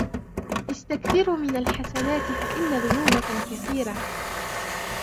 اسْتَكْثِرُوا مِنْ الْحَسَنَاتِ فَإِنَّ ذُنُوبَكُمْ كَثِيرَةٌ